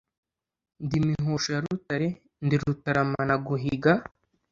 ndi mihosho ya rutare, ndi rutaramana guhiga,